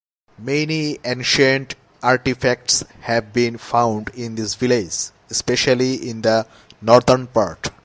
Many ancient artifacts have been found in this village, especially in the northern part.